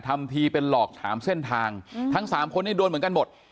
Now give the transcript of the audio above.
ทำทีเป็นหลอกถามเส้นทางทั้งสามคนนี้โดนเหมือนกันหมด